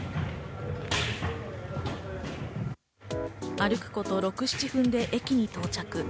歩くこと６、７分で駅に到着。